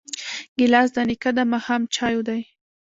ګیلاس د نیکه د ماښام چایو دی.